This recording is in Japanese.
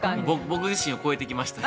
僕自身を超えてきました。